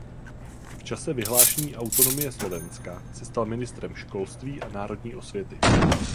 V čase vyhlášení autonomie Slovenska se stal ministrem školství a národní osvěty.